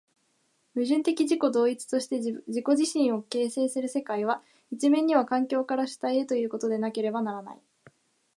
矛盾的自己同一として自己自身を形成する世界は、一面には環境から主体へということでなければならない。